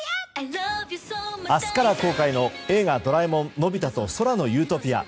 明日から公開の「映画ドラえもんのび太と空の理想郷」。